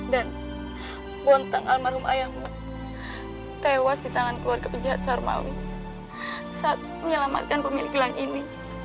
dan bontang almarhum ayahmu tewas di tangan keluarga penjahat sarmawi saat menyelamatkan pemilik gelang ini